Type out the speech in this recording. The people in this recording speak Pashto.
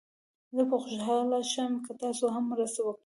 زه به خوشحال شم که تاسو هم مرسته وکړئ.